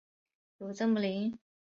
有这么灵？